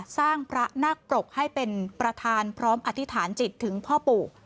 สร้างพระนักปรกให้เป็นประธานพร้อมอธิษฐานจิตถึงพ่อปู่